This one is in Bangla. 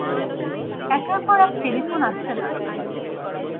একের পর এক টেলিফোন আসতে লাগল।